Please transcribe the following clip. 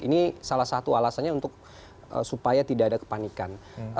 ini salah satu alasannya untuk supaya tidak ada kepanikan